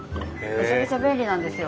めちゃめちゃ便利なんですよ。